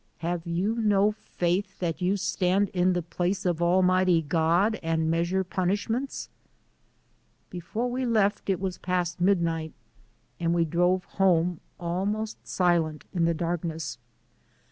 Have you no faith, that you stand in the place of Almighty God and measure punishments?" Before we left it was past midnight and we drove home, almost silent, in the darkness.